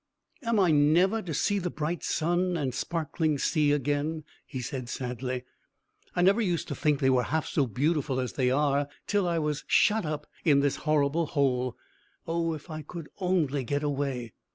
"Am I never to see the bright sun and the sparkling sea again?" he said sadly. "I never used to think they were half so beautiful as they are, till I was shut up in this horrible hole. Oh, if I could only get away!"